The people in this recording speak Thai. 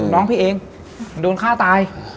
น้องพี่เองโดนฆ่าตาย